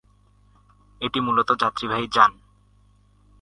এটি মূলত যাত্রীবাহী যান।